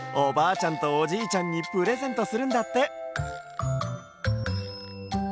ちゃんとおじいちゃんにプレゼントするんだって。